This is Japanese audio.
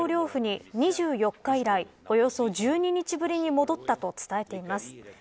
府に２４日以来およそ１２日ぶりに戻ったと伝えています。